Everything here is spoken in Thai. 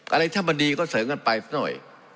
อะไรถ้ามันดีก็เสริมกันไปซะหน่อย